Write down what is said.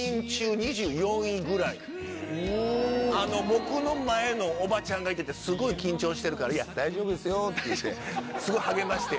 僕の前のおばちゃんがいててすごい緊張してるから大丈夫ですよって言うてすごい励まして。